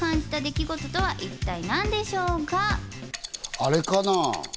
あれかな？